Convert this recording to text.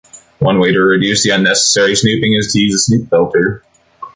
One way to reduce the unnecessary snooping is to use a snoop filter.